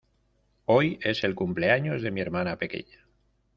Hoy es el cumpleaños de mi hermana pequeña.